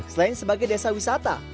selain sebagai desa wisata